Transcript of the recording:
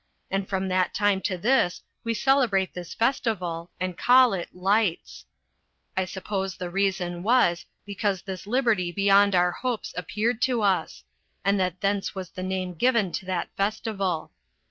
And from that time to this we celebrate this festival, and call it Lights. I suppose the reason was, because this liberty beyond our hopes appeared to us; and that thence was the name given to that festival.